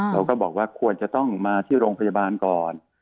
เราก็บอกว่าควรจะต้องมาที่โรงพยาบาลก่อน